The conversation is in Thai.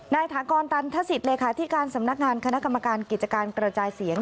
ถากรตันทศิษย์เลขาธิการสำนักงานคณะกรรมการกิจการกระจายเสียง